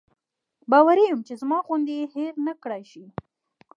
باوري یم چې زما غوندې یې هېر نکړای شي.